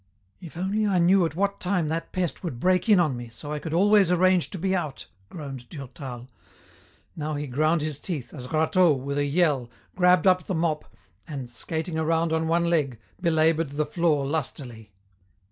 "If I only knew at what time that pest would break in on me so I could always arrange to be out!" groaned Durtal. Now he ground his teeth, as Rateau, with a yell, grabbed up the mop and, skating around on one leg, belaboured the floor lustily.